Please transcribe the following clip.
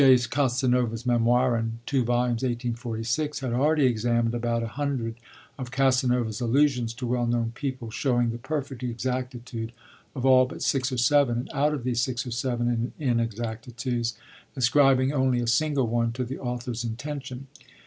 Casanova's Memoiren_, 2 vols., 1846, had already examined about a hundred of Casanova's allusions to well known people, showing the perfect exactitude of all but six or seven, and out of these six or seven inexactitudes ascribing only a single one to the author's intention.